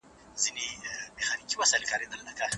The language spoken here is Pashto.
بې باوري زموږ د ټولني پرمختګ ته لوی خنډ جوړوي.